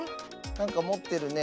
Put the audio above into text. なんかもってるね。